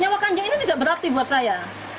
nyawa kanjung ini tidak berarti buat saya